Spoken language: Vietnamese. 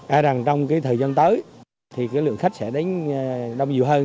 ai rằng trong cái thời gian tới thì cái lượng khách sẽ đánh đông nhiều hơn